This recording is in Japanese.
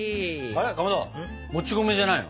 あれかまどもち米じゃないの？